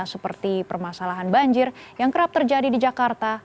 seperti permasalahan banjir yang kerap terjadi di jakarta